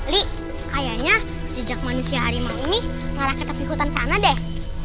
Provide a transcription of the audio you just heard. li kayaknya jejak manusia harimau ini mengarah ke tepi hutan sana deh